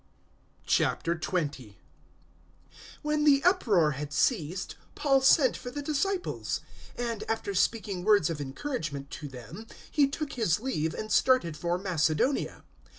020:001 When the uproar had ceased, Paul sent for the disciples; and, after speaking words of encouragement to them, he took his leave, and started for Macedonia.